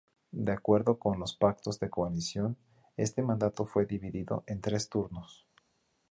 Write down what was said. De acuerdo con los pactos de coalición, este mandato fue dividido en tres turnos.